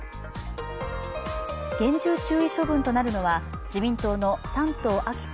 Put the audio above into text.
厳重注意処分となるのは自民党の山東昭子